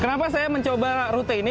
kenapa saya mencoba rute ini